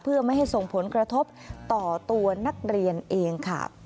เพื่อไม่ให้ส่งผลกระทบต่อตัวนักเรียนเองค่ะ